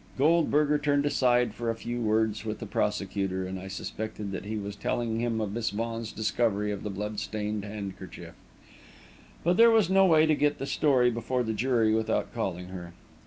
Goldberger turned aside for a few words with the prosecutor, and I suspected that he was telling him of Miss Vaughan's discovery of the blood stained handkerchief; but there was no way to get the story before the jury without calling her.